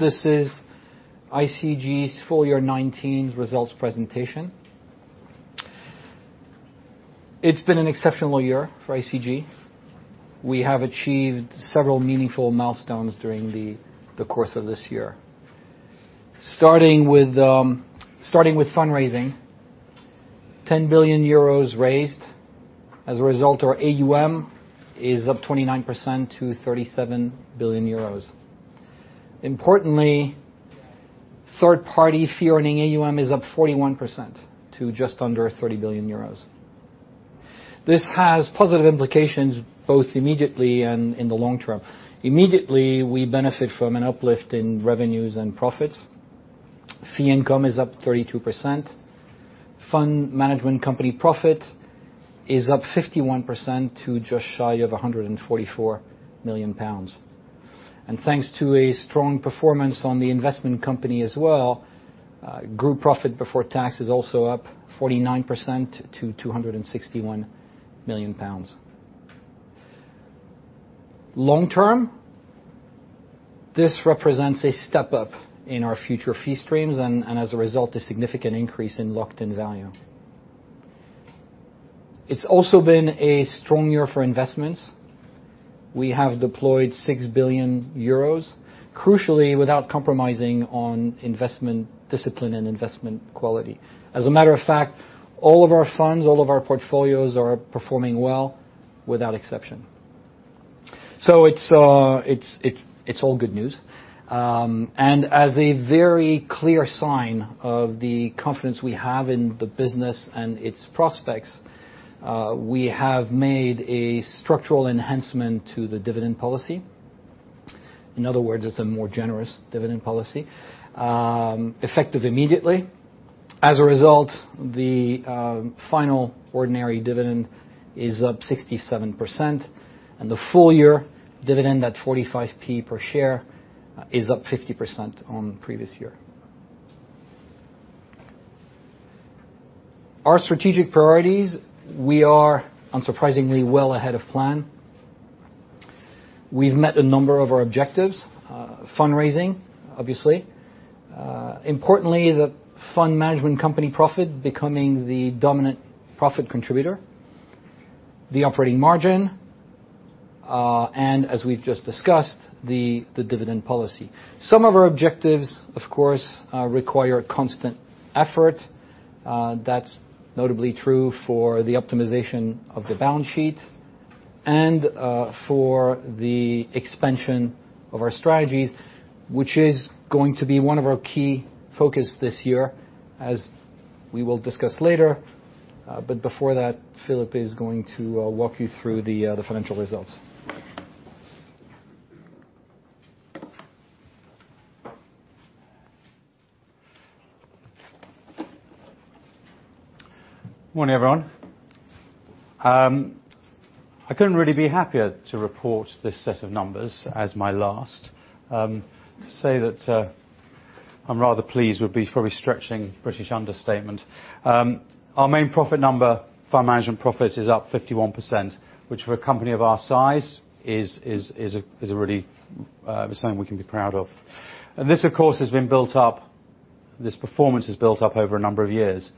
This is ICG's full year 2019 results presentation. It's been an exceptional year for ICG. We have achieved several meaningful milestones during the course of this year. Starting with fundraising, 10 billion euros raised. As a result, our AUM is up 29% to 37 billion euros. Importantly, third-party fee earning AUM is up 41% to just under 30 billion euros. This has positive implications both immediately and in the long term. Immediately, we benefit from an uplift in revenues and profits. Fee income is up 32%. Fund management company profit is up 51% to just shy of 144 million pounds. Thanks to a strong performance on the investment company as well, group profit before tax is also up 49% to 261 million pounds. Long term, this represents a step up in our future fee streams, and as a result, a significant increase in locked-in value. It's also been a strong year for investments. We have deployed 6 billion euros, crucially without compromising on investment discipline and investment quality. As a matter of fact, all of our funds, all of our portfolios are performing well, without exception. It's all good news. As a very clear sign of the confidence we have in the business and its prospects, we have made a structural enhancement to the dividend policy. In other words, it's a more generous dividend policy, effective immediately. As a result, the final ordinary dividend is up 67% and the full year dividend at 0.45 per share is up 50% on the previous year. Our strategic priorities, we are unsurprisingly well ahead of plan. We've met a number of our objectives. Fundraising, obviously. Importantly, the Fund management company profit becoming the dominant profit contributor. The operating margin, as we've just discussed, the dividend policy. Some of our objectives, of course, require constant effort. That's notably true for the optimization of the balance sheet and for the expansion of our strategies, which is going to be one of our key focus this year, as we will discuss later. Before that, Philip is going to walk you through the financial results. Morning, everyone. I couldn't really be happier to report this set of numbers as my last. To say that I'm rather pleased would be probably stretching British understatement. Our main profit number, Fund management profit, is up 51%, which for a company of our size is really something we can be proud of. This, of course, this performance has built up over a number of years.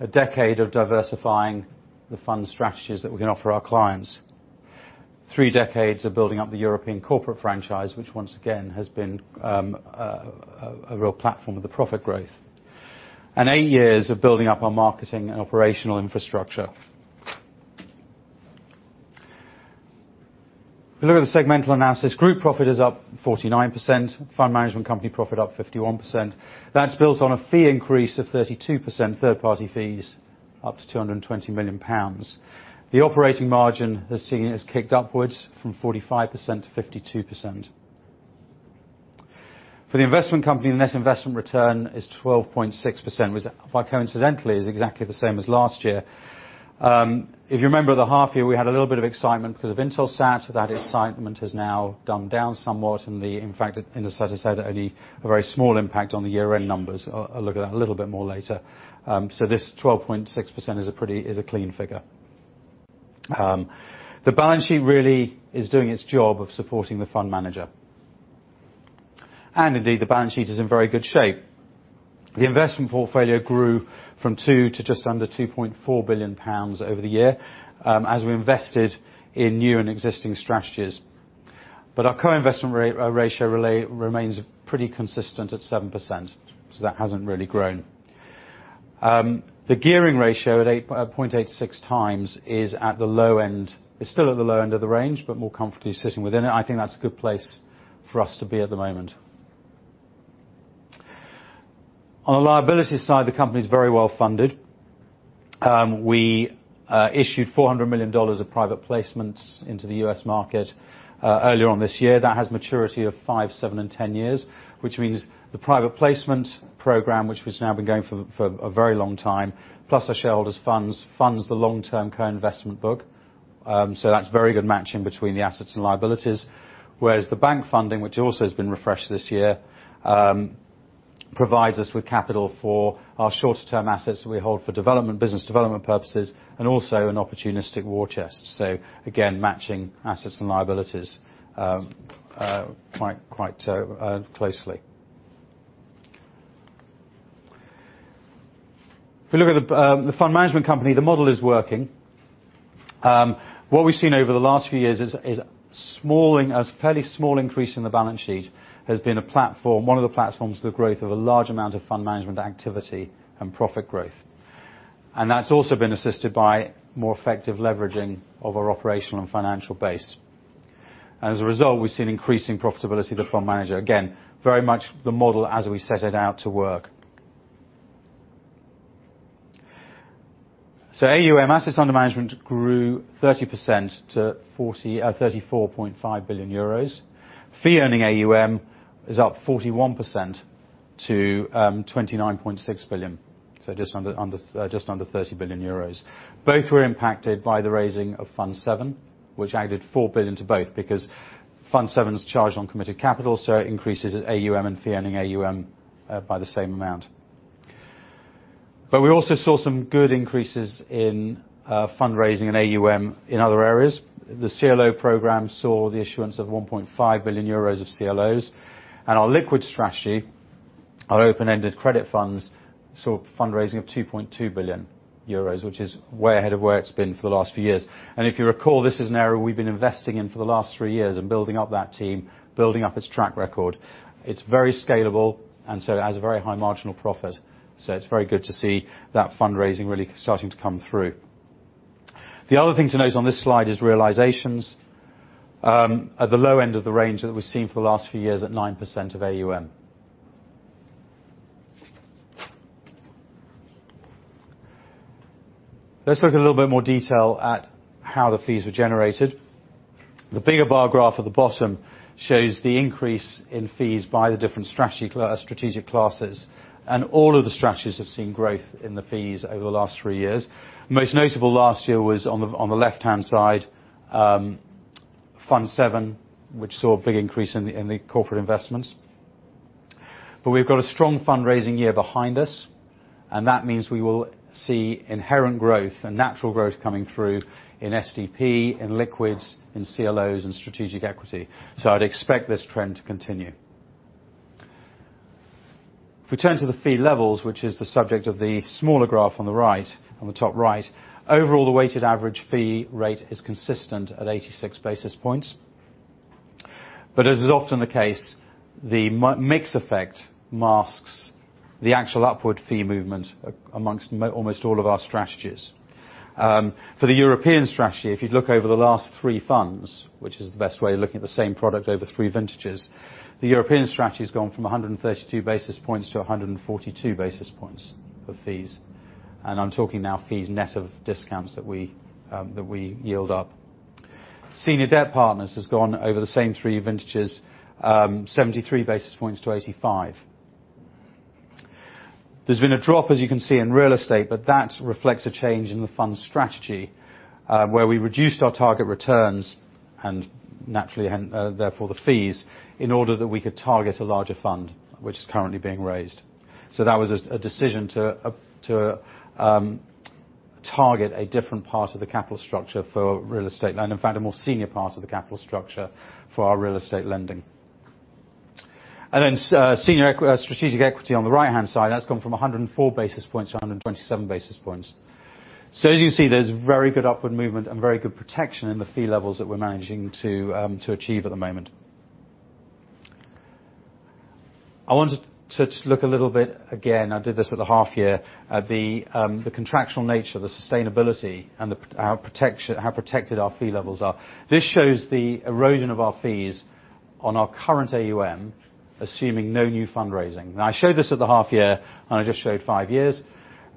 A decade of diversifying the fund strategies that we can offer our clients. Three decades of building up the European corporate franchise, which once again has been a real platform of the profit growth. Eight years of building up our marketing and operational infrastructure. If you look at the segmental analysis, group profit is up 49%, Fund management company profit up 51%. That's built on a fee increase of 32%, third-party fees up to 220 million pounds. The operating margin has kicked upwards from 45% to 52%. For the investment company, the net investment return is 12.6%, which quite coincidentally is exactly the same as last year. If you remember the half year, we had a little bit of excitement because of Intelsat. That excitement has now dumbed down somewhat. In fact, Intelsat has had only a very small impact on the year-end numbers. I'll look at that a little bit more later. This 12.6% is a clean figure. The balance sheet really is doing its job of supporting the fund manager. Indeed, the balance sheet is in very good shape. The investment portfolio grew from 2 billion to just under 2.4 billion pounds over the year as we invested in new and existing strategies. Our current investment ratio remains pretty consistent at 7%, so that hasn't really grown. The gearing ratio at 0.86 times is still at the low end of the range, but more comfortably sitting within it. I think that's a good place for us to be at the moment. On the liability side, the company is very well-funded. We issued $400 million of private placements into the U.S. market earlier on this year. That has maturity of five, seven, and 10 years, which means the private placement program, which has now been going for a very long time, plus our shareholders funds the long-term co-investment book. That's very good matching between the assets and liabilities. Whereas the bank funding, which also has been refreshed this year, provides us with capital for our shorter-term assets that we hold for business development purposes, and also an opportunistic war chest. Again, matching assets and liabilities quite closely. If we look at the fund management company, the model is working. What we've seen over the last few years is a fairly small increase in the balance sheet has been one of the platforms for the growth of a large amount of fund management activity and profit growth. That's also been assisted by more effective leveraging of our operational and financial base. As a result, we've seen increasing profitability of the fund manager. Again, very much the model as we set it out to work. AUM, Assets Under Management, grew 30% to €34.5 billion. Fee earning AUM is up 41% to €29.6 billion, so just under €30 billion. Both were impacted by the raising of ICG Europe Fund VII, which added €4 billion to both, because ICG Europe Fund VII is charged on committed capital, so it increases AUM and fee earning AUM by the same amount. We also saw some good increases in fundraising and AUM in other areas. The CLO program saw the issuance of €1.5 billion of CLOs. Our liquids strategy, our open-ended credit funds, saw fundraising of €2.2 billion, which is way ahead of where it's been for the last few years. If you recall, this is an area we've been investing in for the last three years and building up that team, building up its track record. It's very scalable, and so it has a very high marginal profit. It's very good to see that fundraising really starting to come through. The other thing to note on this slide is realizations at the low end of the range that we've seen for the last few years at 9% of AUM. Let's look in a little bit more detail at how the fees were generated. The bigger bar graph at the bottom shows the increase in fees by the different strategic classes. All of the strategies have seen growth in the fees over the last three years. Most notable last year was on the left-hand side, Fund VII, which saw a big increase in the corporate investments. We've got a strong fundraising year behind us, and that means we will see inherent growth and natural growth coming through in SDP, in liquids, in CLOs, and Strategic Equity. I'd expect this trend to continue. If we turn to the fee levels, which is the subject of the smaller graph on the top right, overall the weighted average fee rate is consistent at 86 basis points. As is often the case, the mix effect masks the actual upward fee movement amongst almost all of our strategies. For the European strategy, if you look over the last three funds, which is the best way of looking at the same product over three vintages, the European strategy has gone from 132 basis points to 142 basis points of fees. I'm talking now fees net of discounts that we yield up. Senior Debt Partners has gone over the same three vintages, 73 basis points to 85. There's been a drop, as you can see, in real estate, but that reflects a change in the fund strategy, where we reduced our target returns and therefore the fees, in order that we could target a larger fund, which is currently being raised. That was a decision to target a different part of the capital structure for real estate lending. In fact, a more senior part of the capital structure for our real estate lending. Strategic Equity on the right-hand side, that's gone from 104 basis points to 127 basis points. As you see, there's very good upward movement and very good protection in the fee levels that we're managing to achieve at the moment. I wanted to look a little bit, again, I did this at the half year, at the contractual nature, the sustainability, and how protected our fee levels are. This shows the erosion of our fees on our current AUM, assuming no new fundraising. Now, I showed this at the half year, and I just showed five years,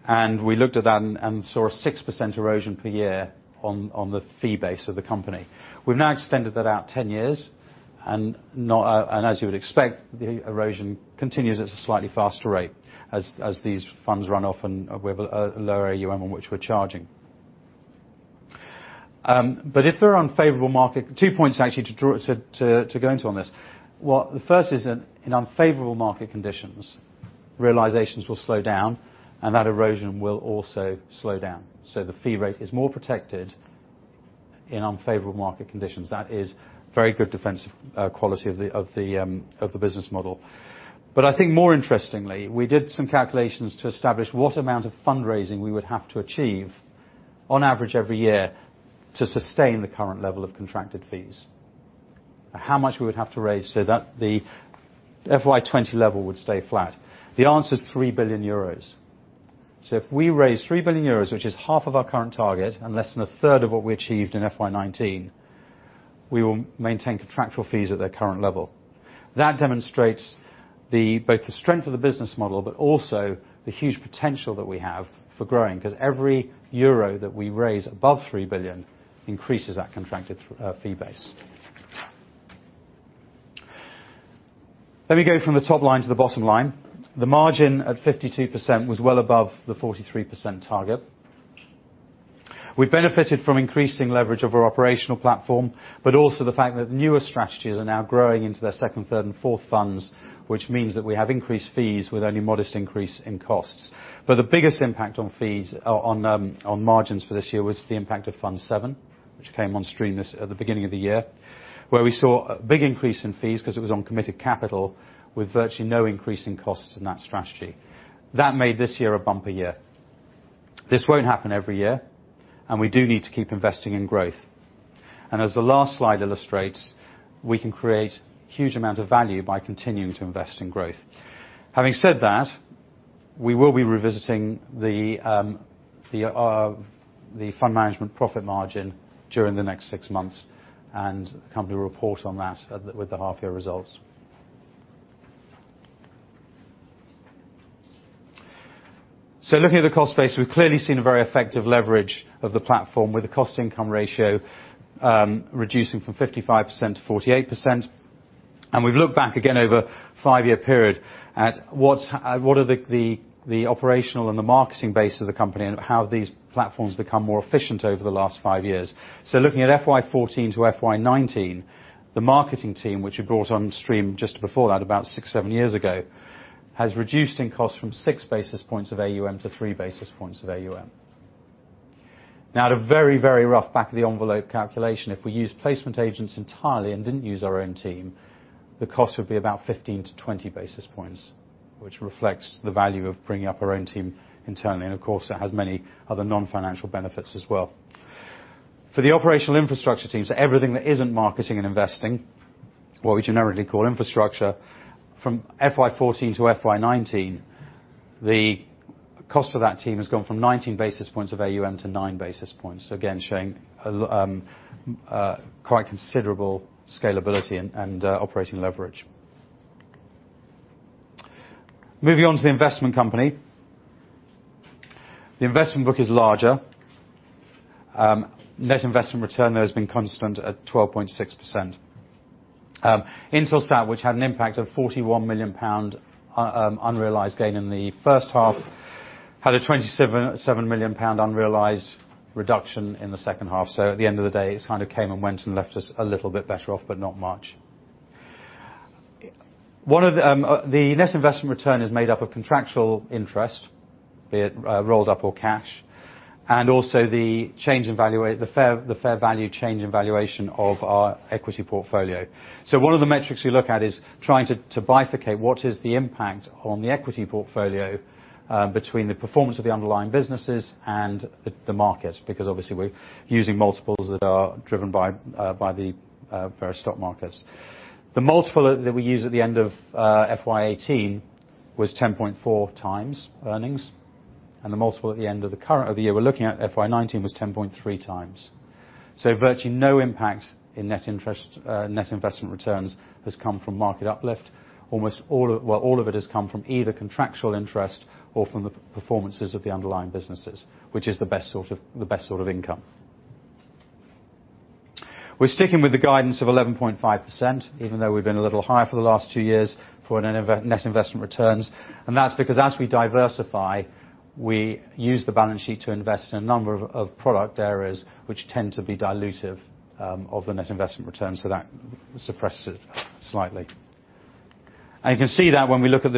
and we looked at that and saw a 6% erosion per year on the fee base of the company. We've now extended that out 10 years. As you would expect, the erosion continues at a slightly faster rate as these funds run off and we have a lower AUM on which we're charging. Two points actually to go into on this. The first is in unfavorable market conditions, realizations will slow down, and that erosion will also slow down. The fee rate is more protected in unfavorable market conditions. That is very good defensive quality of the business model. I think more interestingly, we did some calculations to establish what amount of fundraising we would have to achieve on average every year to sustain the current level of contracted fees. How much we would have to raise so that the FY 2020 level would stay flat. The answer is 3 billion euros. If we raise 3 billion euros, which is half of our current target, and less than a third of what we achieved in FY19, we will maintain contractual fees at their current level. That demonstrates both the strength of the business model, but also the huge potential that we have for growing, because every EUR that we raise above 3 billion increases that contracted fee base. Let me go from the top line to the bottom line. The margin at 52% was well above the 43% target. We benefited from increasing leverage of our operational platform, but also the fact that newer strategies are now growing into their second, third, and fourth funds, which means that we have increased fees with only modest increase in costs. The biggest impact on margins for this year was the impact of Fund VII, which came on stream at the beginning of the year, where we saw a big increase in fees because it was on committed capital with virtually no increase in costs in that strategy. That made this year a bumper year. This won't happen every year, and we do need to keep investing in growth. As the last slide illustrates, we can create huge amount of value by continuing to invest in growth. Having said that, we will be revisiting the fund management profit margin during the next six months, and the company will report on that with the half-year results. Looking at the cost base, we've clearly seen a very effective leverage of the platform with the cost-income ratio reducing from 55% to 48%. We've looked back again over a five-year period at what are the operational and the marketing base of the company and how these platforms have become more efficient over the last five years. Looking at FY14 to FY19, the marketing team, which we brought on stream just before that, about six, seven years ago, has reduced in cost from six basis points of AUM to three basis points of AUM. At a very rough back-of-the-envelope calculation, if we used placement agents entirely and didn't use our own team, the cost would be about 15 to 20 basis points, which reflects the value of bringing up our own team internally, and of course, that has many other non-financial benefits as well. For the operational infrastructure teams, everything that isn't marketing and investing, what we generically call infrastructure, from FY14 to FY19, the cost of that team has gone from 19 basis points of AUM to nine basis points. Again, showing quite considerable scalability and operating leverage. Moving on to the investment company. The investment book is larger. Net investment return, though, has been constant at 12.6%. Intelsat, which had an impact of 41 million pound unrealized gain in the first half, had a 27 million pound unrealized reduction in the second half. At the end of the day, it kind of came and went and left us a little bit better off, but not much. The net investment return is made up of contractual interest, be it rolled up or cash, and also the fair value change in valuation of our equity portfolio. One of the metrics we look at is trying to bifurcate what is the impact on the equity portfolio between the performance of the underlying businesses and the market, because obviously we're using multiples that are driven by the various stock markets. The multiple that we used at the end of FY18 was 10.4x earnings, and the multiple at the end of the year we're looking at, FY19, was 10.3x. Virtually no impact in net investment returns has come from market uplift. All of it has come from either contractual interest or from the performances of the underlying businesses, which is the best sort of income. We're sticking with the guidance of 11.5%, even though we've been a little higher for the last two years for net investment returns. That's because as we diversify, we use the balance sheet to invest in a number of product areas which tend to be dilutive of the net investment returns, so that suppresses it slightly. You can see that when we look at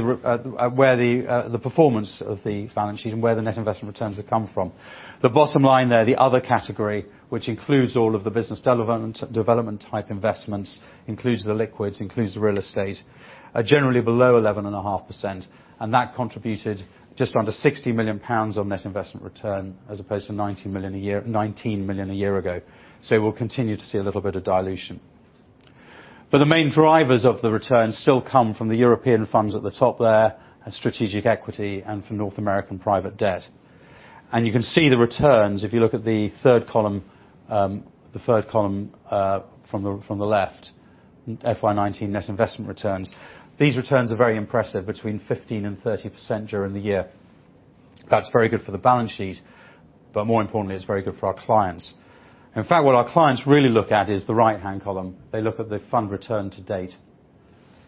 where the performance of the balance sheet and where the net investment returns have come from. The bottom line there, the other category, which includes all of the business development-type investments, includes the liquids, includes the real estate, are generally below 11.5%, and that contributed just under 60 million pounds on net investment return as opposed to 19 million a year ago. We'll continue to see a little bit of dilution. But the main drivers of the return still come from the European funds at the top there, and Strategic Equity, and from North American Private Debt. You can see the returns if you look at the third column from the left, FY19 net investment returns. These returns are very impressive, between 15%-30% during the year. That's very good for the balance sheet, but more importantly, it's very good for our clients. In fact, what our clients really look at is the right-hand column. They look at the fund return to date.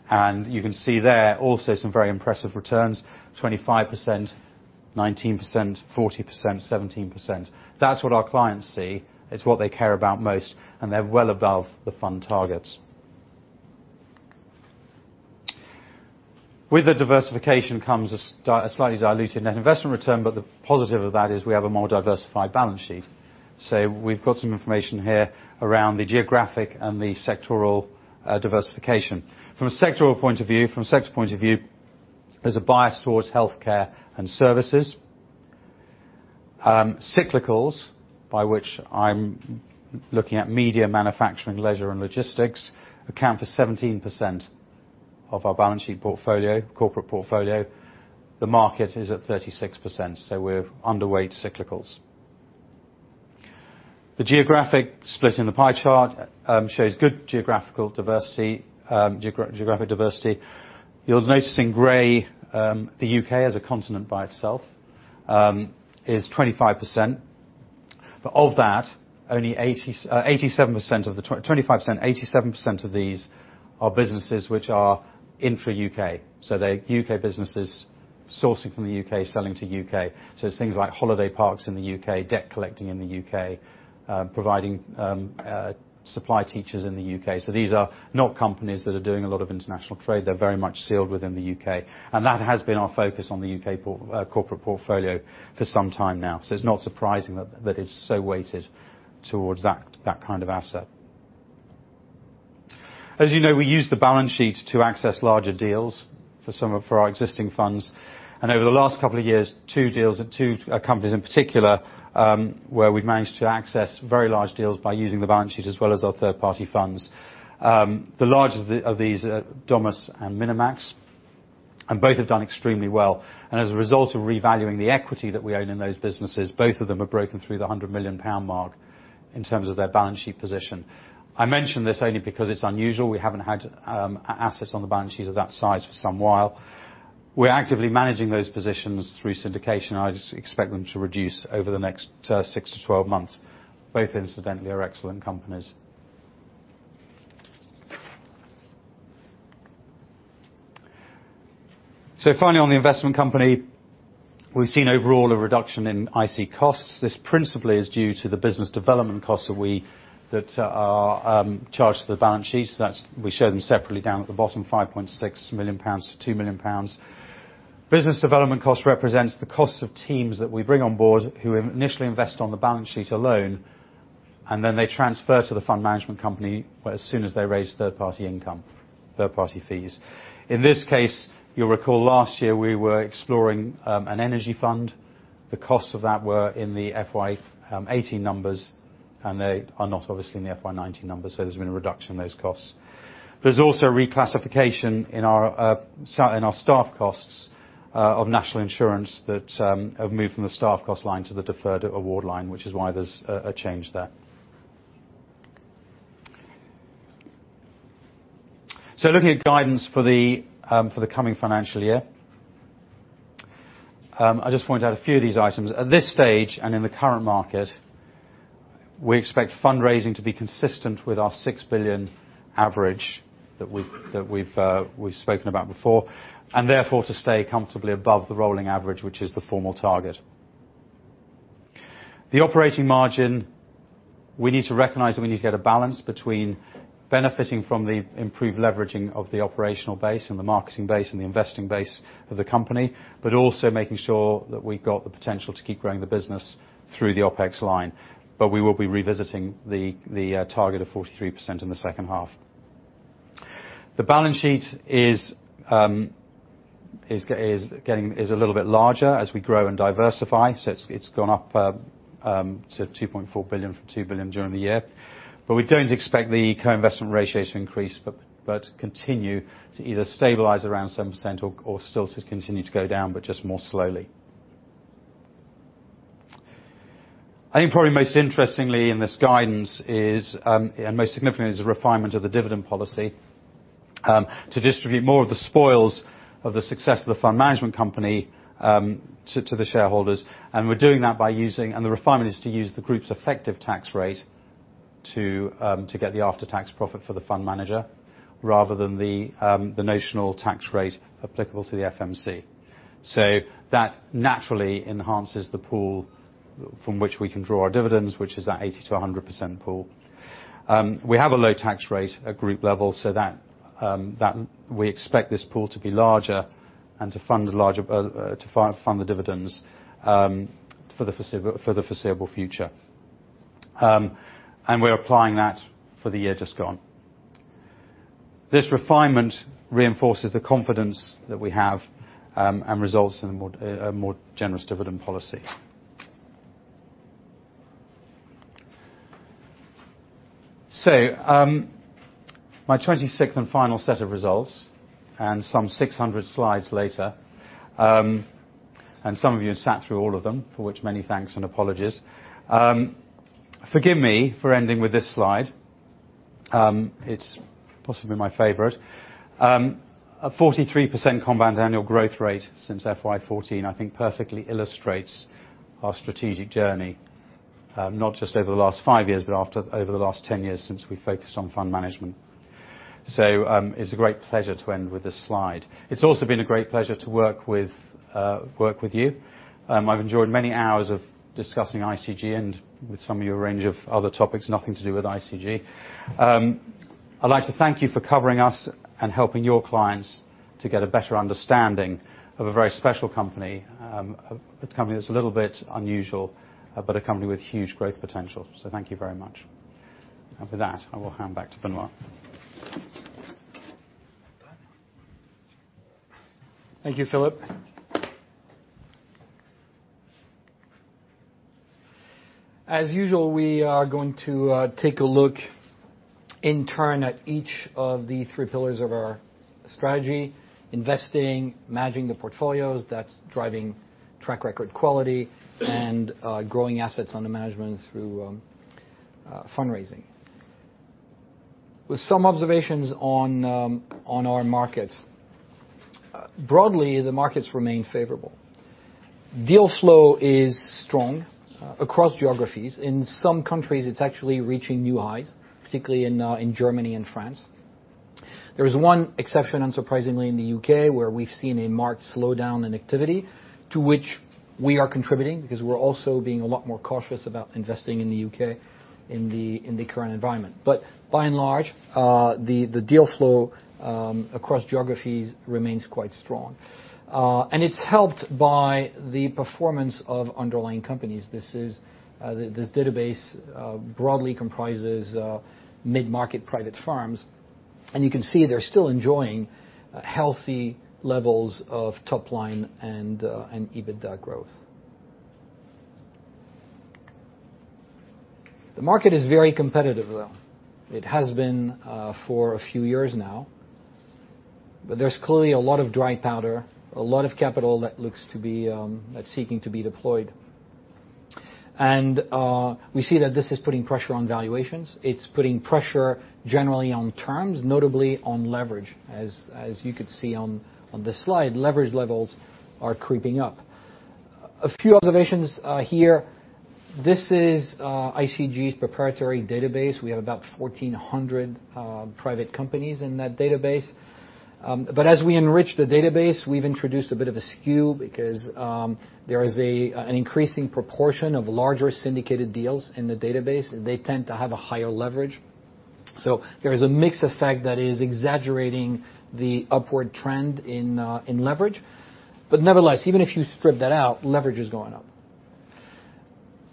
And you can see there also some very impressive returns, 25%, 19%, 40%, 17%. That's what our clients see. It's what they care about most, and they're well above the fund targets. With the diversification comes a slightly diluted net investment return, but the positive of that is we have a more diversified balance sheet. So we've got some information here around the geographic and sectoral diversification. From a sectoral point of view, there's a bias towards healthcare and services. Cyclicals, by which I'm looking at media, manufacturing, leisure, and logistics, account for 17% of our balance sheet portfolio, corporate portfolio. The market is at 36%, so we're underweight cyclicals. The geographic split in the pie chart shows good geographic diversity. You'll notice in gray the U.K. as a continent by itself is 25%. But of that, 25%, 87% of these are businesses which are intra U.K. So they're U.K. businesses sourcing from the U.K., selling to U.K. So it's things like holiday parks in the U.K., debt collecting in the U.K., providing supply teachers in the U.K. So these are not companies that are doing a lot of international trade. They're very much sealed within the U.K. And that has been our focus on the U.K. corporate portfolio for some time now. So it's not surprising that it's so weighted towards that kind of asset. As you know, we use the balance sheet to access larger deals for our existing funds. Over the last couple of years, two companies in particular where we've managed to access very large deals by using the balance sheet as well as our third-party funds. The largest of these are Domus and Minimax. Both have done extremely well. As a result of revaluing the equity that we own in those businesses, both of them have broken through the 100 million pound mark in terms of their balance sheet position. I mention this only because it's unusual. We haven't had assets on the balance sheet of that size for some while. We're actively managing those positions through syndication. I just expect them to reduce over the next 6-12 months. Both, incidentally, are excellent companies. Finally, on the investment company, we've seen overall a reduction in IC costs. This principally is due to the business development costs that are charged to the balance sheet. We show them separately down at the bottom, 5.6 million-2 million pounds. Business development cost represents the cost of teams that we bring on board who initially invest on the balance sheet alone. They transfer to the fund management company as soon as they raise third-party income, third-party fees. In this case, you'll recall last year we were exploring an energy fund. The costs of that were in the FY 2018 numbers. They are not obviously in the FY 2019 numbers. There's been a reduction in those costs. There's also a reclassification in our staff costs of national insurance that have moved from the staff cost line to the deferred award line, which is why there's a change there. Looking at guidance for the coming financial year. I'll just point out a few of these items. At this stage, in the current market, we expect fundraising to be consistent with our 6 billion average that we've spoken about before. Therefore, to stay comfortably above the rolling average, which is the formal target. The operating margin, we need to recognize that we need to get a balance between benefiting from the improved leveraging of the operational base, the marketing base, and the investing base of the company. Also making sure that we've got the potential to keep growing the business through the OpEx line. We will be revisiting the target of 43% in the second half. The balance sheet is a little bit larger as we grow and diversify. It's gone up to 2.4 billion from 2 billion during the year. We don't expect the co-investment ratios to increase, but continue to either stabilize around 7% or still to continue to go down, just more slowly. I think probably most interestingly in this guidance, most significantly, is the refinement of the dividend policy to distribute more of the spoils of the success of the fund management company to the shareholders. We're doing that by using. The refinement is to use the group's effective tax rate to get the after-tax profit for the fund manager rather than the notional tax rate applicable to the FMC. That naturally enhances the pool from which we can draw our dividends, which is that 80%-100% pool. We have a low tax rate at group level, we expect this pool to be larger and to fund the dividends for the foreseeable future. We're applying that for the year just gone. This refinement reinforces the confidence that we have and results in a more generous dividend policy. My 26th and final set of results, and some 600 slides later, and some of you have sat through all of them, for which many thanks and apologies. Forgive me for ending with this slide. It's possibly my favorite. A 43% compound annual growth rate since FY 2014 I think perfectly illustrates our strategic journey, not just over the last five years, but over the last 10 years since we focused on fund management. It's a great pleasure to end with this slide. It's also been a great pleasure to work with you. I've enjoyed many hours of discussing ICG and with some of you, a range of other topics nothing to do with ICG. I'd like to thank you for covering us and helping your clients to get a better understanding of a very special company, a company that's a little bit unusual, but a company with huge growth potential. Thank you very much. With that, I will hand back to Benoît. Thank you, Philip. As usual, we are going to take a look in turn at each of the 3 pillars of our strategy, investing, managing the portfolios that's driving track record quality, and growing assets under management through fundraising. With some observations on our markets. Broadly, the markets remain favorable. Deal flow is strong across geographies. In some countries, it's actually reaching new highs, particularly in Germany and France. There is one exception, unsurprisingly, in the U.K., where we've seen a marked slowdown in activity to which we are contributing because we're also being a lot more cautious about investing in the U.K. in the current environment. By and large, the deal flow across geographies remains quite strong. It's helped by the performance of underlying companies. This database broadly comprises mid-market private firms, and you can see they're still enjoying healthy levels of top-line and EBITDA growth. The market is very competitive, though. It has been for a few years now, there's clearly a lot of dry powder, a lot of capital that's seeking to be deployed. We see that this is putting pressure on valuations. It's putting pressure generally on terms, notably on leverage. As you could see on this slide, leverage levels are creeping up. A few observations here. This is ICG's proprietary database. We have about 1,400 private companies in that database. As we enrich the database, we've introduced a bit of a skew because there is an increasing proportion of larger syndicated deals in the database. They tend to have a higher leverage. There is a mix effect that is exaggerating the upward trend in leverage. Nevertheless, even if you strip that out, leverage is going up.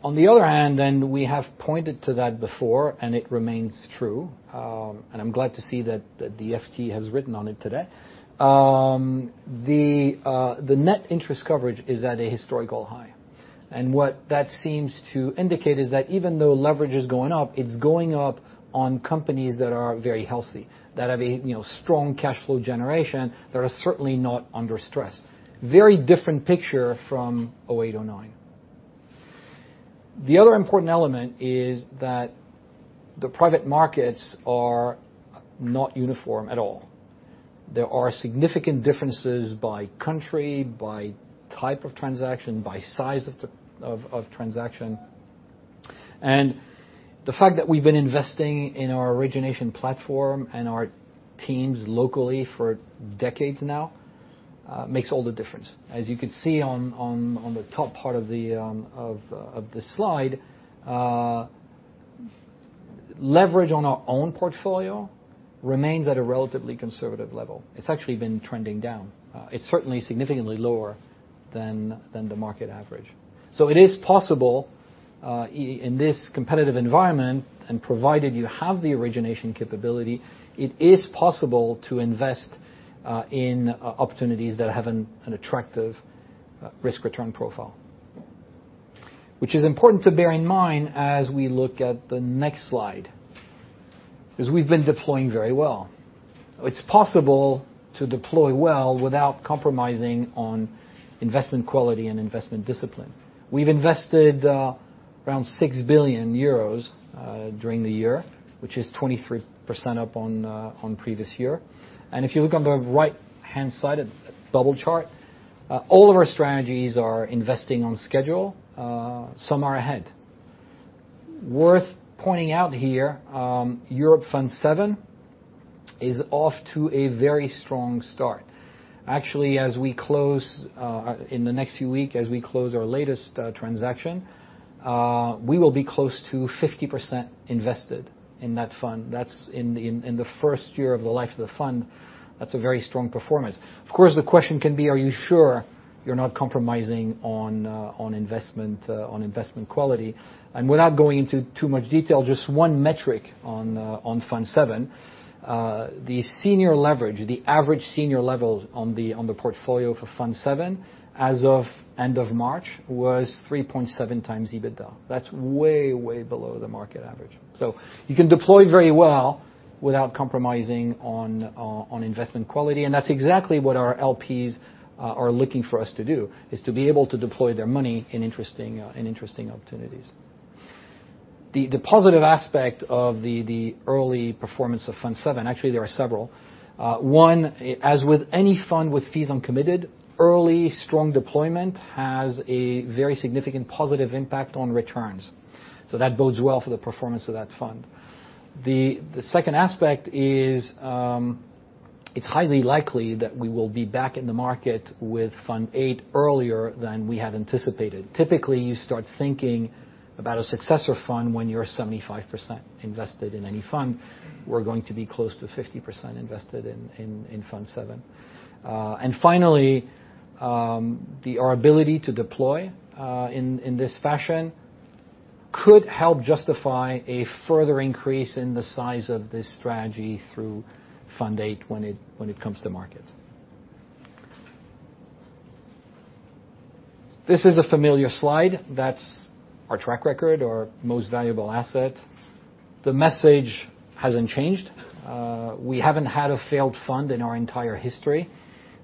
On the other hand, we have pointed to that before, and it remains true, I'm glad to see that the FT has written on it today. The net interest coverage is at a historical high. What that seems to indicate is that even though leverage is going up, it's going up on companies that are very healthy, that have a strong cash flow generation, that are certainly not under stress. Very different picture from 2008, 2009. The other important element is that the private markets are not uniform at all. There are significant differences by country, by type of transaction, by size of transaction. The fact that we've been investing in our origination platform and our teams locally for decades now makes all the difference. As you could see on the top part of this slide, leverage on our own portfolio remains at a relatively conservative level. It's actually been trending down. It's certainly significantly lower than the market average. It is possible in this competitive environment, and provided you have the origination capability, it is possible to invest in opportunities that have an attractive risk-return profile. Which is important to bear in mind as we look at the next slide because we've been deploying very well. It's possible to deploy well without compromising on investment quality and investment discipline. We've invested around €6 billion during the year, which is 23% up on previous year. If you look on the right-hand side of the bubble chart, all of our strategies are investing on schedule. Some are ahead. Worth pointing out here, Europe Fund VII is off to a very strong start. Actually, in the next few weeks as we close our latest transaction, we will be close to 50% invested in that fund. In the first year of the life of the fund, that's a very strong performance. Of course, the question can be, are you sure you're not compromising on investment quality? Without going into too much detail, just one metric on Fund VII. The senior leverage, the average senior level on the portfolio for Fund VII as of end of March was 3.7 times EBITDA. That's way below the market average. You can deploy very well without compromising on investment quality, and that's exactly what our LPs are looking for us to do, is to be able to deploy their money in interesting opportunities. The positive aspect of the early performance of Fund VII, actually, there are several. One, as with any fund with fees uncommitted, early strong deployment has a very significant positive impact on returns. That bodes well for the performance of that fund. The second aspect is it's highly likely that we will be back in the market with Fund VIII earlier than we had anticipated. Typically, you start thinking about a successor fund when you're 75% invested in any fund. We're going to be close to 50% invested in Fund VII. Finally, our ability to deploy in this fashion could help justify a further increase in the size of this strategy through Fund VIII when it comes to market. This is a familiar slide. That's our track record, our most valuable asset. The message hasn't changed. We haven't had a failed fund in our entire history,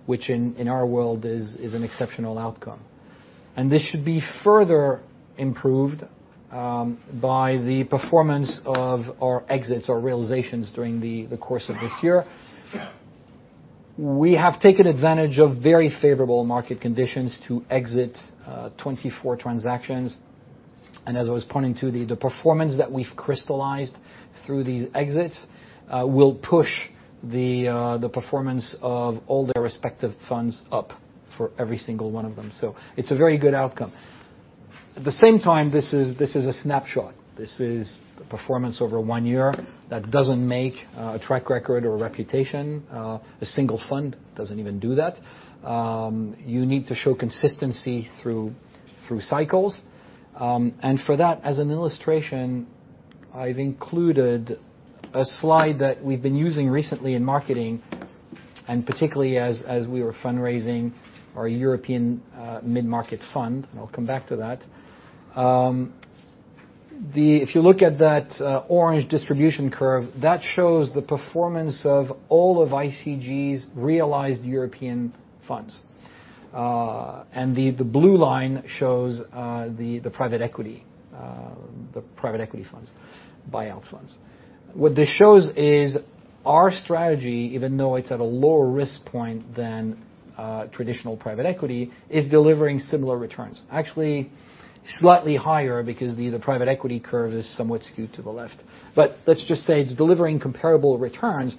which in our world is an exceptional outcome. This should be further improved by the performance of our exits or realizations during the course of this year. We have taken advantage of very favorable market conditions to exit 24 transactions. As I was pointing to, the performance that we've crystallized through these exits will push the performance of all their respective funds up for every single one of them. It's a very good outcome. At the same time, this is a snapshot. This is the performance over one year. That doesn't make a track record or a reputation. A single fund doesn't even do that. You need to show consistency through cycles. For that, as an illustration, I've included a slide that we've been using recently in marketing, and particularly as we were fundraising our European Mid-Market Fund, and I'll come back to that. If you look at that orange distribution curve, that shows the performance of all of ICG's realized European funds. The blue line shows the private equity funds, buyout funds. What this shows is our strategy, even though it's at a lower risk point than traditional private equity, is delivering similar returns. Actually, slightly higher because the private equity curve is somewhat skewed to the left. Let's just say it's delivering comparable returns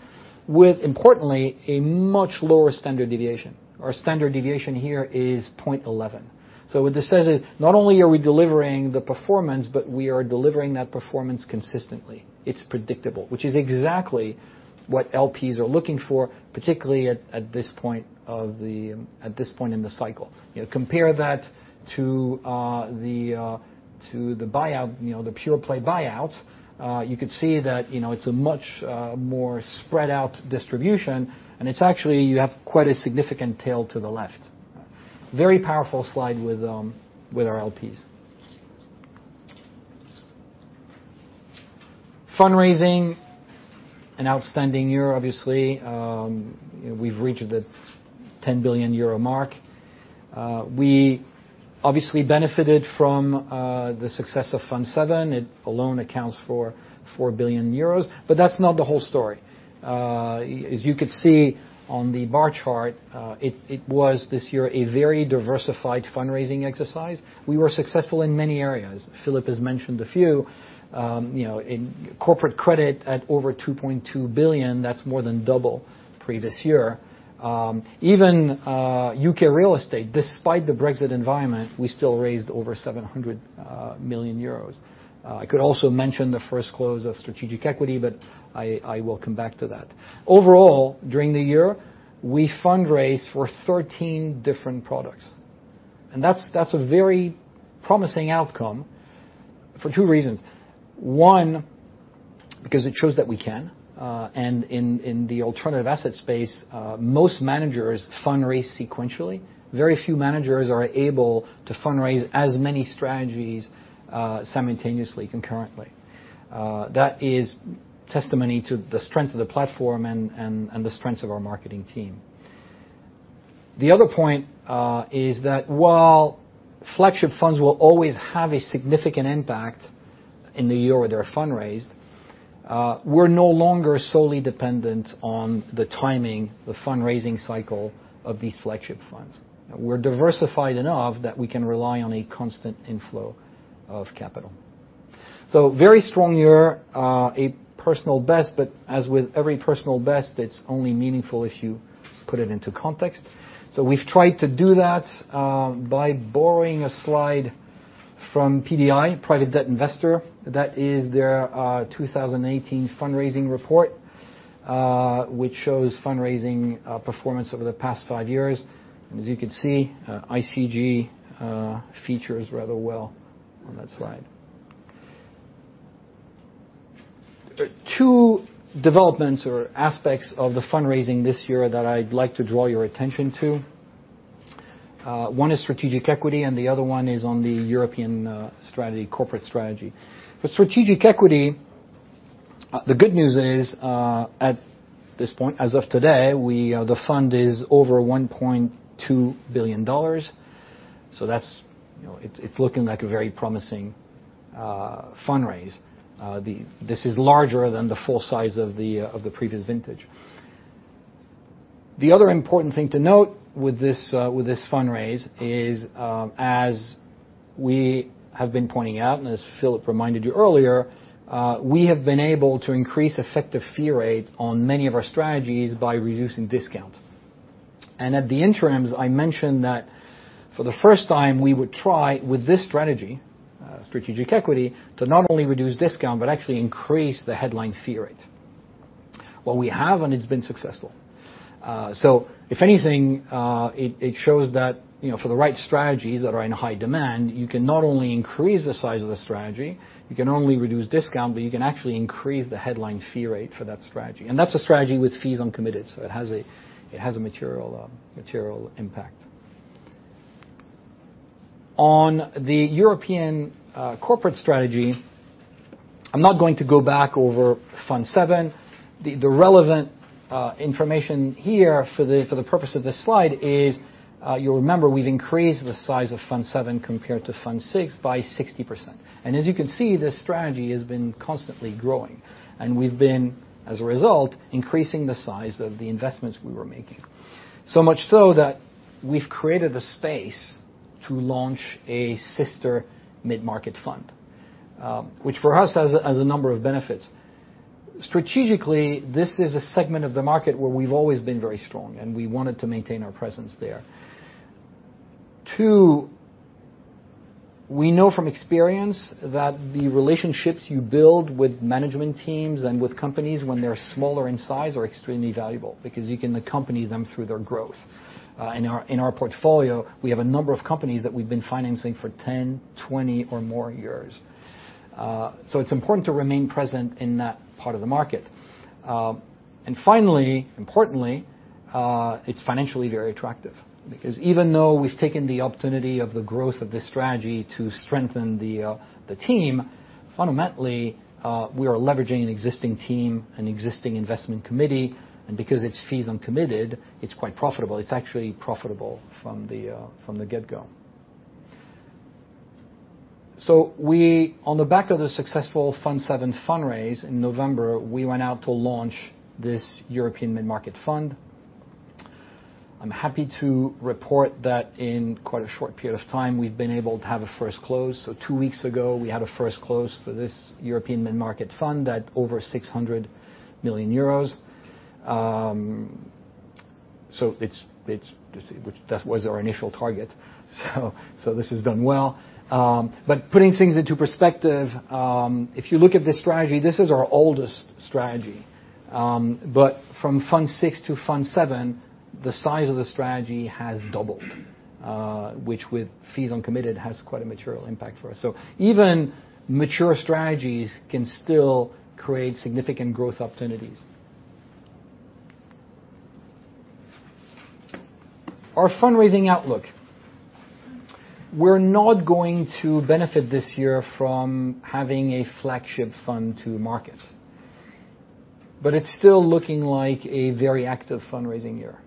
with, importantly, a much lower standard deviation. Our standard deviation here is 0.11. What this says is not only are we delivering the performance, but we are delivering that performance consistently. It's predictable. Which is exactly what LPs are looking for, particularly at this point in the cycle. Compare that to the pure play buyouts. You could see that it's a much more spread out distribution, and it's actually you have quite a significant tail to the left. Very powerful slide with our LPs. Fundraising, an outstanding year, obviously. We've reached the 10 billion euro mark. We obviously benefited from the success of Fund Seven. It alone accounts for 4 billion euros. That's not the whole story. As you could see on the bar chart, it was this year a very diversified fundraising exercise. We were successful in many areas. Philip has mentioned a few. In corporate credit at over 2.2 billion, that's more than double the previous year. Even U.K. real estate, despite the Brexit environment, we still raised over 700 million euros. I could also mention the first close of Strategic Equity, I will come back to that. Overall, during the year, we fundraised for 13 different products. That's a very promising outcome for two reasons. One, because it shows that we can. In the alternative asset space, most managers fundraise sequentially. Very few managers are able to fundraise as many strategies simultaneously, concurrently. That is testimony to the strength of the platform and the strength of our marketing team. The other point is that while flagship funds will always have a significant impact in the year they are fundraised, we are no longer solely dependent on the timing, the fundraising cycle of these flagship funds. We are diversified enough that we can rely on a constant inflow of capital. Very strong year. A personal best, as with every personal best, it's only meaningful if you put it into context. We've tried to do that by borrowing a slide from PDI, Private Debt Investor. That is their 2018 fundraising report, which shows fundraising performance over the past five years. As you can see, ICG features rather well on that slide. Two developments or aspects of the fundraising this year that I'd like to draw your attention to. One is Strategic Equity, and the other one is on the European corporate strategy. For Strategic Equity, the good news is at this point, as of today, the fund is over GBP 1.2 billion. It's looking like a very promising fundraise. This is larger than the full size of the previous vintage. The other important thing to note with this fundraise is, as we have been pointing out and as Philippe reminded you earlier, we have been able to increase effective fee rates on many of our strategies by reducing discount. At the interims, I mentioned that for the first time, we would try with this strategy, Strategic Equity, to not only reduce discount but actually increase the headline fee rate. Well, we have, and it's been successful. If anything, it shows that for the right strategies that are in high demand, you can not only increase the size of the strategy, you can not only reduce discount, but you can actually increase the headline fee rate for that strategy. That's a strategy with fees uncommitted, so it has a material impact. On the European corporate strategy, I'm not going to go back over Fund 7. The relevant information here for the purpose of this slide is, you'll remember we've increased the size of Fund 7 compared to Fund 6 by 60%. As you can see, this strategy has been constantly growing. We've been, as a result, increasing the size of the investments we were making. So much so that we've created a space to launch a sister Mid-Market Fund which for us has a number of benefits. Strategically, this is a segment of the market where we've always been very strong, and we wanted to maintain our presence there. Two, we know from experience that the relationships you build with management teams and with companies when they're smaller in size are extremely valuable because you can accompany them through their growth. In our portfolio, we have a number of companies that we've been financing for 10, 20, or more years. It's important to remain present in that part of the market. Finally, importantly, it's financially very attractive. Even though we've taken the opportunity of the growth of this strategy to strengthen the team, fundamentally, we are leveraging an existing team, an existing investment committee, and because its fees uncommitted, it's quite profitable. It's actually profitable from the get-go. On the back of the successful Fund VII fundraise in November, we went out to launch this European Mid-Market Fund. I'm happy to report that in quite a short period of time, we've been able to have a first close. Two weeks ago, we had a first close for this European Mid-Market Fund at over 600 million EUR. That was our initial target. This has done well. Putting things into perspective, if you look at this strategy, this is our oldest strategy. From Fund VI to Fund VII, the size of the strategy has doubled, which with fees uncommitted has quite a material impact for us. Even mature strategies can still create significant growth opportunities. Our fundraising outlook. We're not going to benefit this year from having a flagship fund to market, but it's still looking like a very active fundraising year.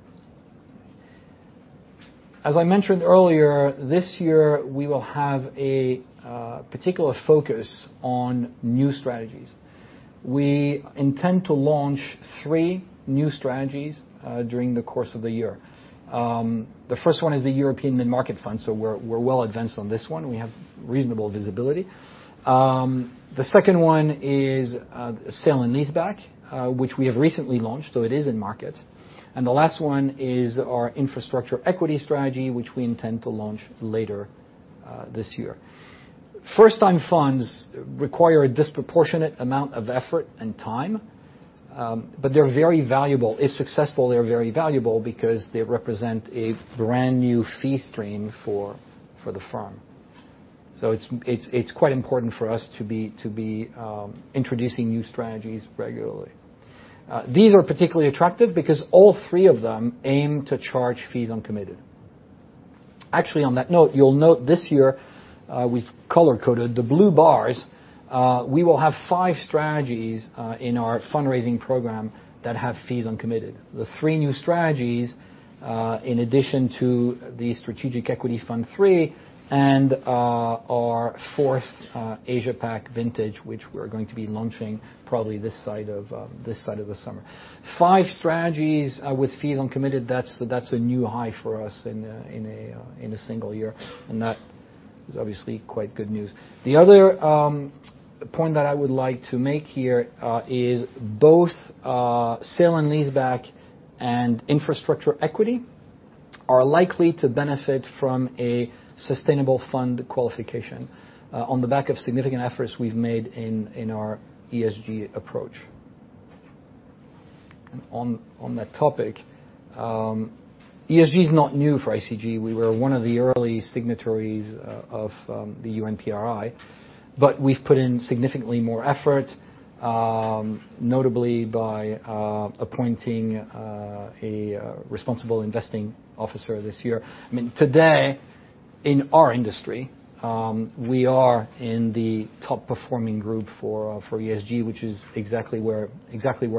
As I mentioned earlier, this year, we will have a particular focus on new strategies. We intend to launch 3 new strategies during the course of the year. The first one is the ICG Europe Mid-Market Fund. We're well advanced on this one. We have reasonable visibility. The second one is Sale and Leaseback which we have recently launched, so it is in market. The last one is our Infrastructure Equity strategy, which we intend to launch later this year. First-time funds require a disproportionate amount of effort and time. If successful, they're very valuable because they represent a brand-new fee stream for the firm. It's quite important for us to be introducing new strategies regularly. These are particularly attractive because all 3 of them aim to charge fees uncommitted. On that note, you'll note this year, we've color-coded. The blue bars, we will have 5 strategies in our fundraising program that have fees uncommitted. The 3 new strategies, in addition to the Strategic Equity Fund III and our 4th Asia-Pac vintage, which we're going to be launching probably this side of the summer. 5 strategies with fees uncommitted, that's a new high for us in a single year. That is obviously quite good news. The other point that I would like to make here is both Sale and Leaseback and Infrastructure Equity are likely to benefit from a sustainable fund qualification on the back of significant efforts we've made in our ESG approach. On that topic, ESG is not new for ICG. We were one of the early signatories of the UN PRI, but we've put in significantly more effort, notably by appointing a responsible investing officer this year. Today, in our industry, we are in the top-performing group for ESG, which is exactly where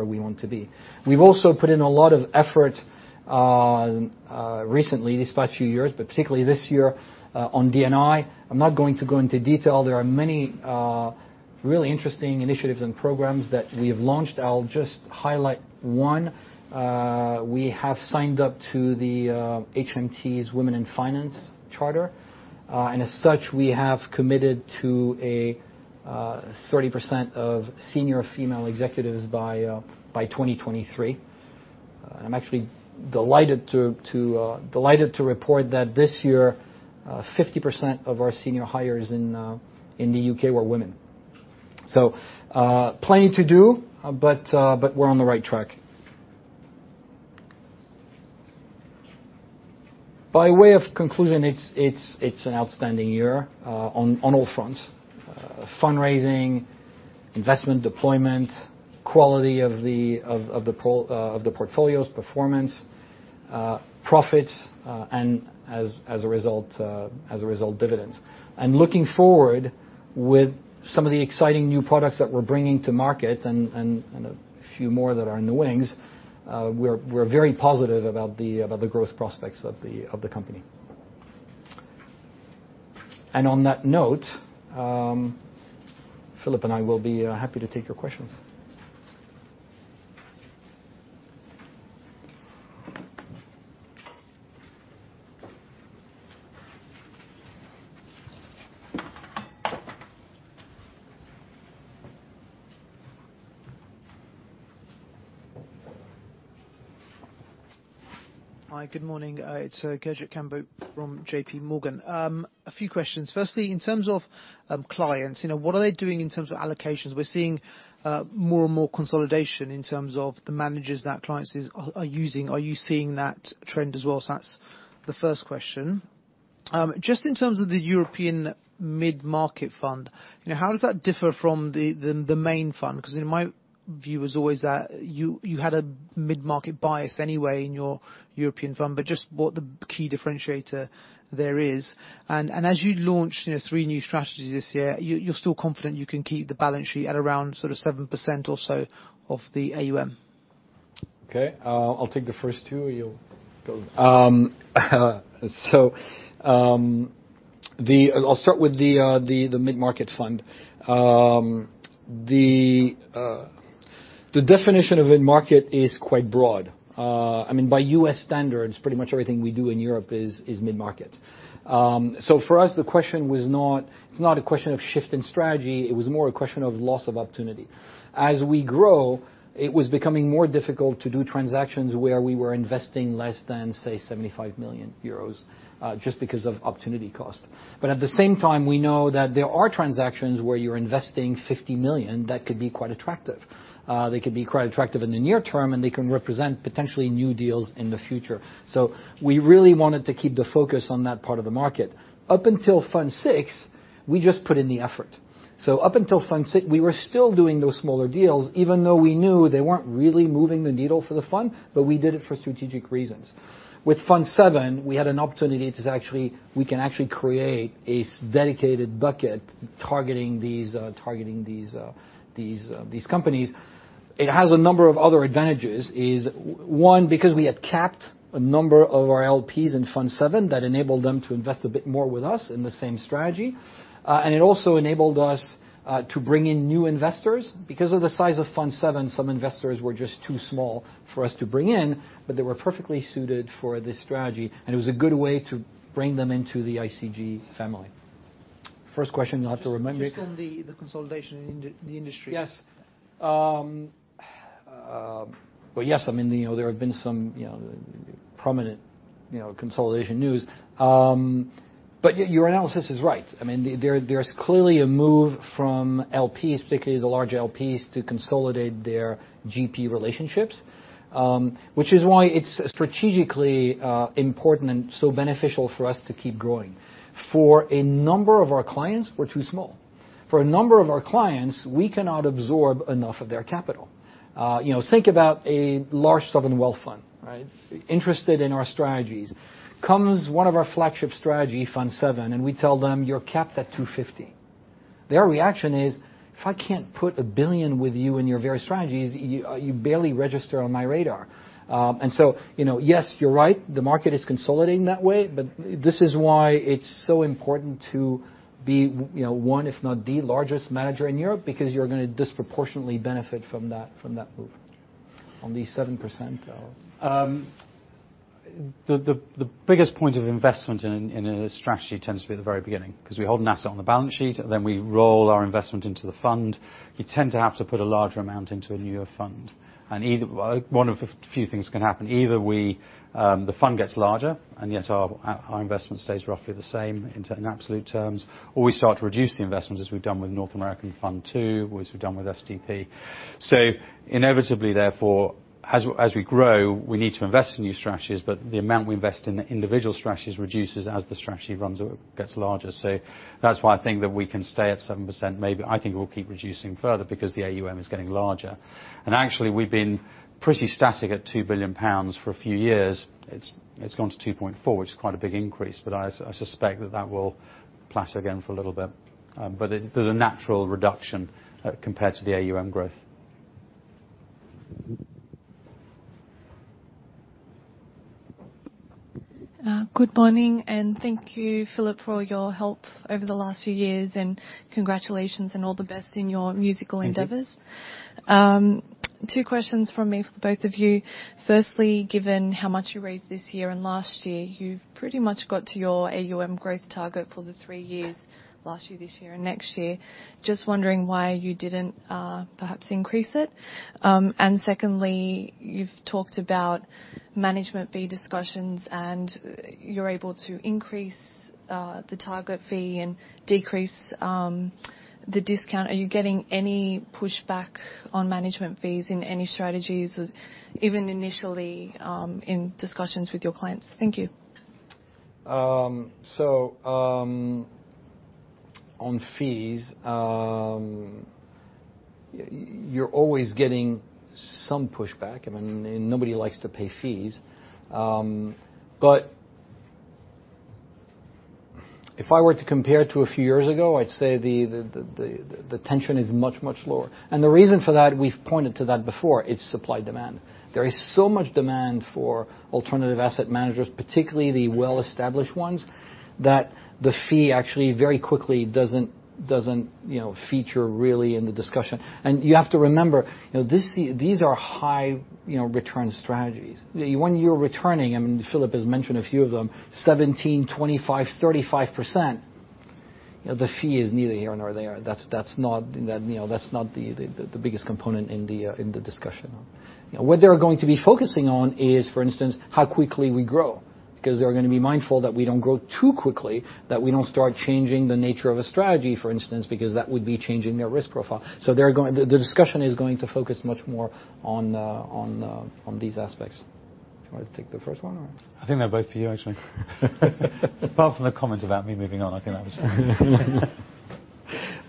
we want to be. We've also put in a lot of effort recently, these past few years, but particularly this year on D&I. I'm not going to go into detail. There are many really interesting initiatives and programs that we have launched. I'll just highlight 1. We have signed up to the HM Treasury's Women in Finance Charter. As such, we have committed to a 30% of senior female executives by 2023. I'm actually delighted to report that this year, 50% of our senior hires in the U.K. were women. Plenty to do, but we're on the right track. By way of conclusion, it's an outstanding year on all fronts. Fundraising, investment deployment, quality of the portfolio's performance, profits, and as a result, dividends. Looking forward with some of the exciting new products that we're bringing to market and a few more that are in the wings, we're very positive about the growth prospects of the company. On that note, Philip and I will be happy to take your questions. Hi, good morning. It's Gurjit Kambo from J.P. Morgan. A few questions. Firstly, in terms of clients, what are they doing in terms of allocations? We're seeing more and more consolidation in terms of the managers that clients are using. Are you seeing that trend as well? That's the first question. Just in terms of the European mid-market fund, how does that differ from the main fund? Because in my view was always that you had a mid-market bias anyway in your European fund, but just what the key differentiator there is. As you launch three new strategies this year, you're still confident you can keep the balance sheet at around 7% or so of the AUM? Okay. I'll take the first two. I'll start with the mid-market fund. The definition of mid-market is quite broad. By U.S. standards, pretty much everything we do in Europe is mid-market. For us, it's not a question of shift in strategy, it was more a question of loss of opportunity. As we grow, it was becoming more difficult to do transactions where we were investing less than, say, €75 million, just because of opportunity cost. At the same time, we know that there are transactions where you're investing 50 million that could be quite attractive. They could be quite attractive in the near term, and they can represent potentially new deals in the future. We really wanted to keep the focus on that part of the market. Up until Fund VI, we just put in the effort. Up until Fund VI, we were still doing those smaller deals, even though we knew they weren't really moving the needle for the fund, but we did it for strategic reasons. With Fund VII, we had an opportunity to create a dedicated bucket targeting these companies. It has a number of other advantages. One, because we had capped a number of our LPs in Fund VII that enabled them to invest a bit more with us in the same strategy. It also enabled us to bring in new investors. Because of the size of Fund VII, some investors were just too small for us to bring in, but they were perfectly suited for this strategy, and it was a good way to bring them into the ICG family. First question, you'll have to remind me. Just on the consolidation in the industry. Yes. Your analysis is right. There's clearly a move from LPs, particularly the large LPs, to consolidate their GP relationships, which is why it's strategically important and so beneficial for us to keep growing. For a number of our clients, we're too small. For a number of our clients, we cannot absorb enough of their capital. Think about a large sovereign wealth fund interested in our strategies. Comes one of our flagship strategy, ICG Europe Fund VII, and we tell them you're capped at 250. Their reaction is, "If I can't put 1 billion with you in your various strategies, you barely register on my radar." Yes, you're right, the market is consolidating that way, this is why it's so important to be one, if not the largest manager in Europe, because you're going to disproportionately benefit from that move. On the 7% The biggest point of investment in a strategy tends to be at the very beginning, because we hold NAV on the balance sheet, then we roll our investment into the fund. You tend to have to put a larger amount into a newer fund. One of a few things can happen. Either the fund gets larger and yet our investment stays roughly the same in absolute terms, or we start to reduce the investments as we've done with ICG North American Private Debt Fund II, or as we've done with Senior Debt Partners. Inevitably, therefore, as we grow, we need to invest in new strategies, but the amount we invest in the individual strategies reduces as the strategy gets larger. That's why I think that we can stay at 7%, maybe. I think it will keep reducing further because the AUM is getting larger. Actually, we've been pretty static at 2 billion pounds for a few years. It's gone to 2.4 billion, which is quite a big increase, I suspect that that will plateau again for a little bit. There's a natural reduction compared to the AUM growth. Good morning, and thank you, Philip, for your help over the last few years, and congratulations and all the best in your musical endeavors. Thank you. Two questions from me for both of you. Firstly, given how much you raised this year and last year, you've pretty much got to your AUM growth target for the three years, last year, this year and next year. Just wondering why you didn't perhaps increase it. Secondly, you've talked about management fee discussions, and you're able to increase the target fee and decrease the discount. Are you getting any pushback on management fees in any strategies, even initially in discussions with your clients? Thank you. On fees, you're always getting some pushback. Nobody likes to pay fees. If I were to compare to a few years ago, I'd say the tension is much, much lower. The reason for that, we've pointed to that before, it's supply-demand. There is so much demand for alternative asset managers, particularly the well-established ones, that the fee actually very quickly doesn't feature really in the discussion. You have to remember, these are high return strategies. When you're returning, I mean, Philip has mentioned a few of them, 17%, 25%, 35%, the fee is neither here nor there. That's not the biggest component in the discussion. What they're going to be focusing on is, for instance, how quickly we grow, because they're going to be mindful that we don't grow too quickly, that we don't start changing the nature of a strategy, for instance, because that would be changing their risk profile. The discussion is going to focus much more on these aspects. Do you want to take the first one or? I think they're both for you, actually. Apart from the comment about me moving on, I think that was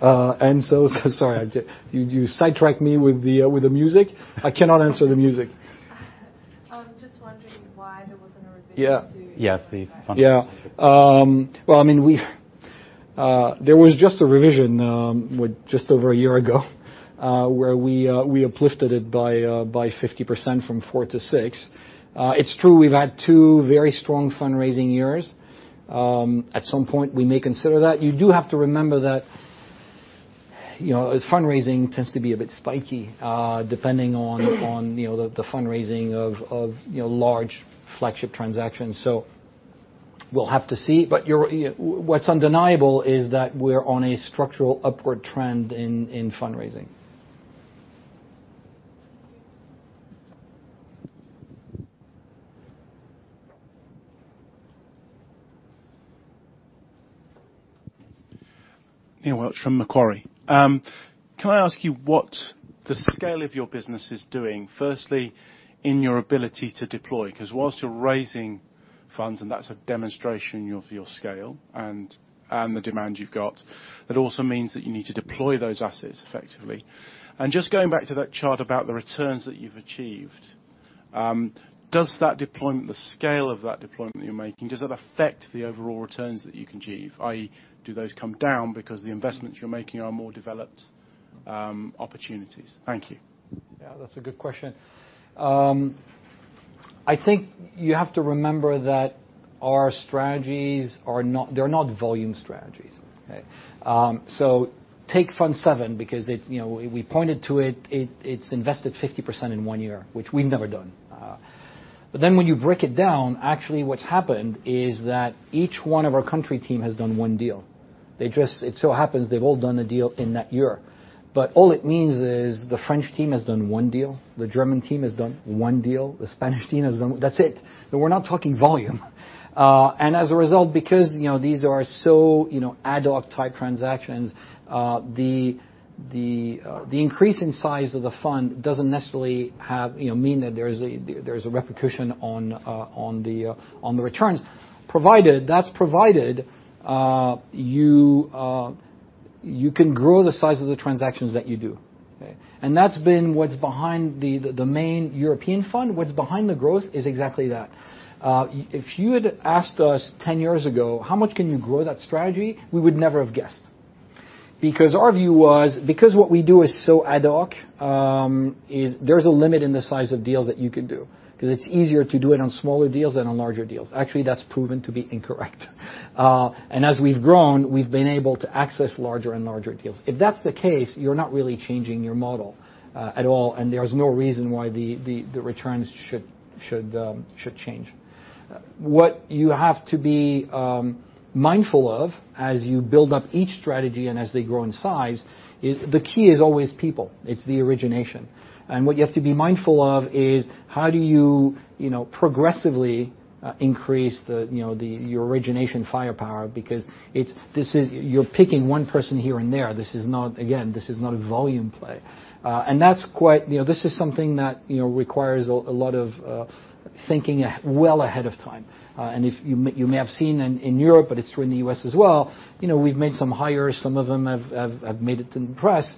fine. Sorry, you sidetracked me with the music. I cannot answer the music. I'm just wondering why there wasn't a revision. Yeah. Yeah. Well, there was just a revision with just over a year ago, where we uplifted it by 50% from four to six. It's true, we've had two very strong fundraising years. At some point we may consider that. You do have to remember that fundraising tends to be a bit spiky, depending on the fundraising of large flagship transactions. We'll have to see, but what's undeniable is that we're on a structural upward trend in fundraising. Neil Welch from Macquarie. Can I ask you what the scale of your business is doing, firstly in your ability to deploy? While you're raising funds, and that's a demonstration of your scale and the demand you've got, it also means that you need to deploy those assets effectively. Just going back to that chart about the returns that you've achieved, does that deployment, the scale of that deployment that you're making, does that affect the overall returns that you achieve? I.e., do those come down because the investments you're making are more developed opportunities? Thank you. Yeah, that's a good question. I think you have to remember that our strategies are not volume strategies. Take Fund VII because we pointed to it. It's invested 50% in one year, which we've never done. When you break it down, actually what's happened is that each one of our country team has done one deal. It so happens they've all done a deal in that year. All it means is the French team has done one deal, the German team has done one deal, the Spanish team has done one deal. That's it. We're not talking volume. As a result, because these are so ad hoc type transactions, the increase in size of the fund doesn't necessarily mean that there's a repercussion on the returns. That's provided you can grow the size of the transactions that you do. That's been what's behind the main European fund. What's behind the growth is exactly that. If you had asked us 10 years ago, how much can you grow that strategy, we would never have guessed. Our view was, because what we do is so ad hoc, there's a limit in the size of deals that you could do, because it's easier to do it on smaller deals than on larger deals. Actually, that's proven to be incorrect. As we've grown, we've been able to access larger and larger deals. If that's the case, you're not really changing your model at all, and there's no reason why the returns should change. What you have to be mindful of as you build up each strategy and as they grow in size is the key is always people. It's the origination. What you have to be mindful of is how do you progressively increase your origination firepower because you're picking one person here and there. Again, this is not a volume play. This is something that requires a lot of thinking well ahead of time. You may have seen in Europe, but it's true in the U.S. as well, we've made some hires. Some of them have made it in the press.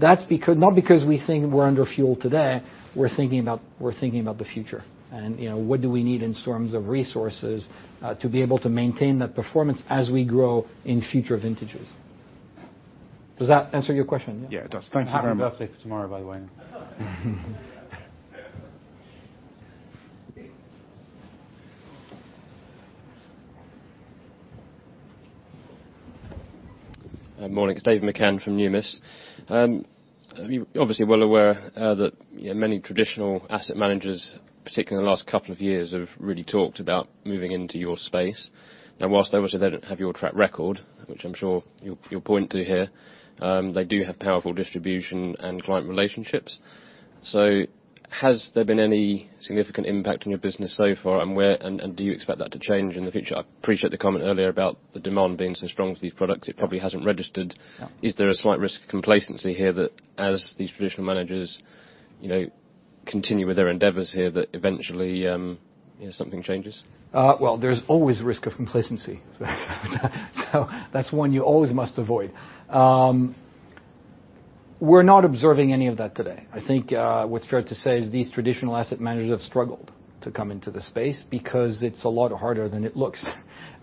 That's not because we think we're under fueled today, we're thinking about the future and what do we need in terms of resources to be able to maintain that performance as we grow in future vintages. Does that answer your question? Yeah, it does. Thanks very much. Happy birthday tomorrow, by the way. Morning, it's David McCann from Numis. You're obviously well aware that many traditional asset managers, particularly in the last couple of years, have really talked about moving into your space. Whilst obviously they don't have your track record, which I'm sure you'll point to here, they do have powerful distribution and client relationships. Has there been any significant impact on your business so far, and do you expect that to change in the future? I appreciate the comment earlier about the demand being so strong for these products it probably hasn't registered. Yeah. Is there a slight risk of complacency here that as these traditional managers continue with their endeavors here that eventually something changes? There's always risk of complacency. That's one you always must avoid. We're not observing any of that today. I think what's fair to say is these traditional asset managers have struggled to come into the space because it's a lot harder than it looks.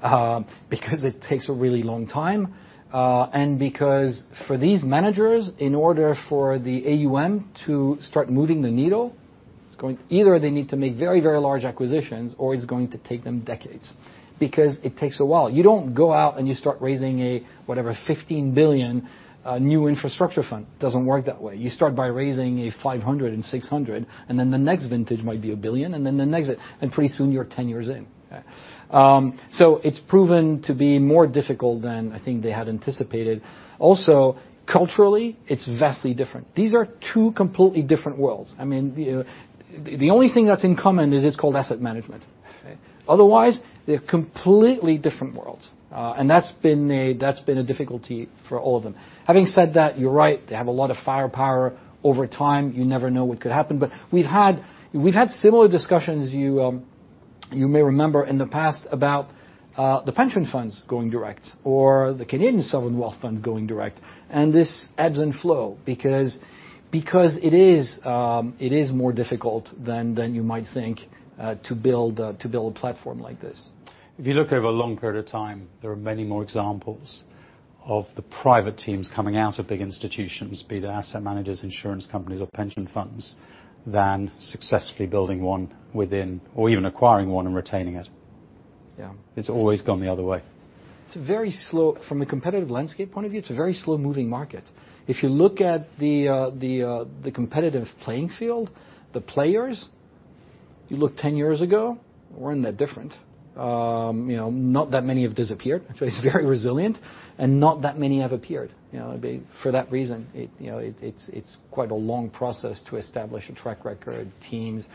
It takes a really long time, and because for these managers, in order for the AUM to start moving the needleIt's going Either they need to make very large acquisitions, or it's going to take them decades, because it takes a while. You don't go out and you start raising a, whatever, 15 billion new infrastructure fund. Doesn't work that way. You start by raising a 500 and 600, and then the next vintage might be a 1 billion, and then the next. Pretty soon you're 10 years in. It's proven to be more difficult than I think they had anticipated. Culturally, it's vastly different. These are two completely different worlds. The only thing that's in common is it's called asset management. Otherwise, they're completely different worlds. That's been a difficulty for all of them. Having said that, you're right, they have a lot of firepower. Over time, you never know what could happen. We've had similar discussions, you may remember in the past about the pension funds going direct or the Canadian sovereign wealth funds going direct and this ebbs and flow because it is more difficult than you might think to build a platform like this. If you look over a long period of time, there are many more examples of the private teams coming out of big institutions, be they asset managers, insurance companies, or pension funds, than successfully building one within, or even acquiring one and retaining it. Yeah. It's always gone the other way. From a competitive landscape point of view, it's a very slow-moving market. If you look at the competitive playing field, the players, you look 10 years ago, weren't that different. Not that many have disappeared. It's very resilient. Not that many have appeared. For that reason, it's quite a long process to establish a track record, teams.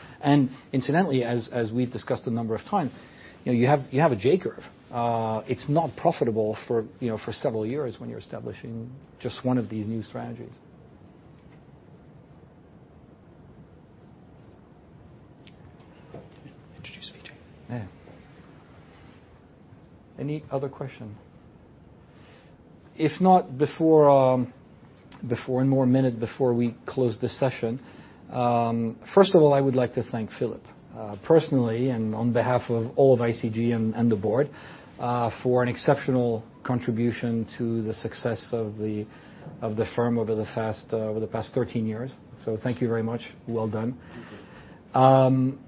Incidentally, as we've discussed a number of times, you have a J curve. It's not profitable for several years when you're establishing just one of these new strategies. Introduce Vijay. Yeah. Any other question? If not, before one more minute before we close the session, first of all, I would like to thank Philip personally and on behalf of all of ICG and the board, for an exceptional contribution to the success of the firm over the past 13 years. Thank you very much. Well done. Thank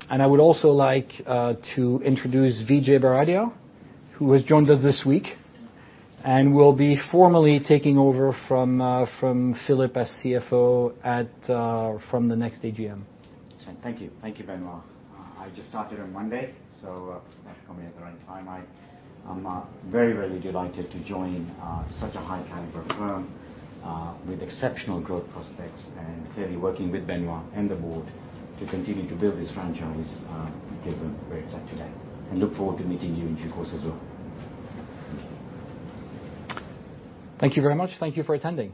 you. I would also like to introduce Vijay Bharadia, who has joined us this week and will be formally taking over from Philip as CFO from the next AGM. Thank you. Thank you, Benoît. I just started on Monday, you asked me at the right time. I'm very delighted to join such a high caliber firm with exceptional growth prospects clearly working with Benoît and the board to continue to build this franchise given where it's at today, look forward to meeting you in due course as well. Thank you. Thank you very much. Thank you for attending.